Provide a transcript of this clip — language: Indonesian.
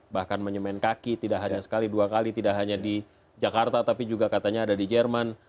bahkan menyemen kaki tidak hanya sekali dua kali tidak hanya di jakarta tapi juga katanya ada di jerman